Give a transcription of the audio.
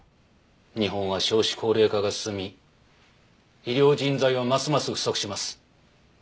日本は少子高齢化が進み医療人材はますます不足します。